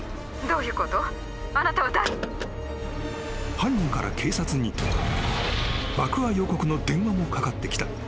［犯人から警察に爆破予告の電話もかかってきた］